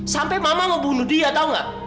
sampai mama mau bunuh dia tau gak